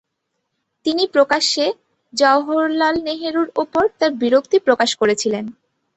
তিনি প্রকাশ্যে জওহরলাল নেহেরুর উপর তার বিরক্তি প্রকাশ করেছিলেন।